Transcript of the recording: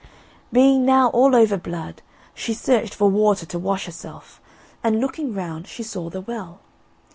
Being now all over blood, she searched for water to wash herself, and, looking round, she saw the well.